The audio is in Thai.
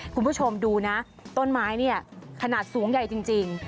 คุณผู้ชมดูนะต้นไม้เนี่ยขนาดสูงใหญ่จริง